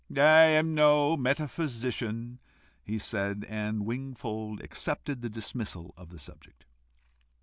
"I am no metaphysician," he said, and Wingfold accepted the dismissal of the subject.